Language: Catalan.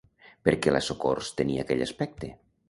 Per què la Socors tenia aquell aspecte?